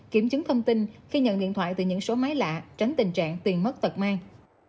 kiểm chứng thông tin khi nhận điện thoại từ những số máy lạ tránh tình trạng tiền mất tật mang